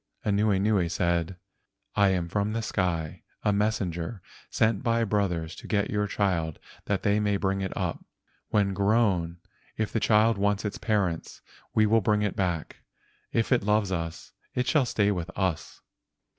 Anuenue said: "I am from the sky, a mes¬ senger sent by my brothers to get your child that they may bring it up. When grown, if the child wants its parents, we will bring it back. If it loves us it shall stay with us."